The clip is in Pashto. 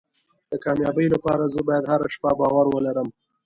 د کامیابۍ لپاره زه باید هره شپه باور ولرم.